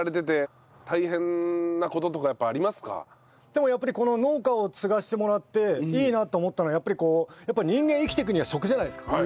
でもこの農家を継がせてもらっていいなって思ったのはやっぱり人間生きていくには食じゃないですか。